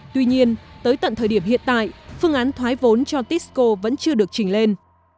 tuy nhiên tới tận thời điểm hiện tại phương án thoái vốn cho tisco vẫn chưa được trình lên